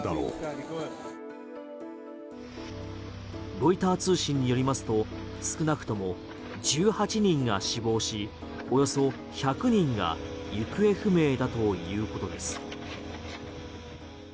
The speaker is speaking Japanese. ロイター通信によりますと少なくとも１８人が死亡しおよそ１００人が行方不明だということです。